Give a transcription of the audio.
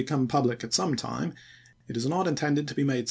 "■' ^6come pubhc at some time, it is not intended to be made pp.